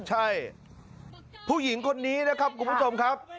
ใช่ผู้หญิงคนนี้นะครับคุณผู้ชมครับ